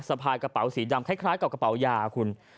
พายกระเป๋าสีดำคล้ายกับกระเป๋ายาคุณ